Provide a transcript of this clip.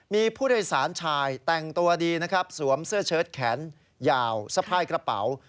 มีผู้โดยสารชายแต่งตัวดีนะครับสวมเสื้อเชิดแขนยาวสะพายกระเป๋า